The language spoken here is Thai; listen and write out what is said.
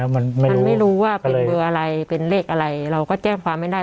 มันมันไม่รู้ว่าเป็นเบอร์อะไรเป็นเลขอะไรเราก็แจ้งความไม่ได้